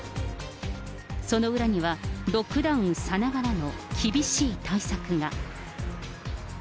その裏にはロックダウンさながらの厳しい対策が。